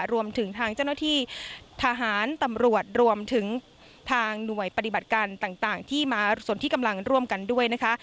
รวมถึงทางเจ้าหน้าที่ทหารตำรวจรวมถึงทางหน่วยปฏิบัติการต่างที่มาส่วนที่กำลังร่วมกันด้วยนะคะ